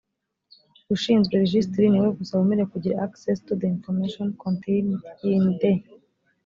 ushinzwe rejisitiri niwe gusa wemerewe kugira access to the information contained in the